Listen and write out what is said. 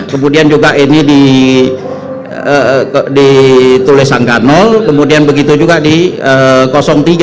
kemudian juga ini ditulis anggano kemudian begitu juga di tiga